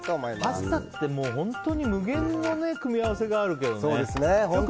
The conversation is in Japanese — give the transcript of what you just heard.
パスタって本当に無限の組み合わせがあるけどね。